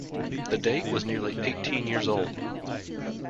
The date was nearly eighteen years old.